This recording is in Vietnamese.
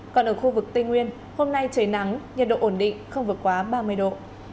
còn ở khu vực tây nguyên hôm nay trời nắng nhiệt độ ổn định không vượt quá ba mươi độ